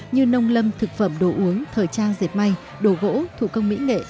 như nông lâm thực phẩm đồ uống thời trang dệt may đồ gỗ thủ công mỹ nghệ